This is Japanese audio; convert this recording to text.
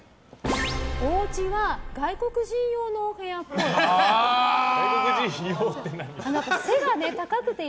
おうちは外国人用のお部屋っぽい。